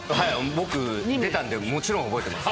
僕出たんでもちろん覚えてます。